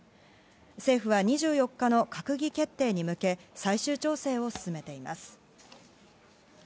政府は２４日の閣議決定に向け、最終調整を進めています。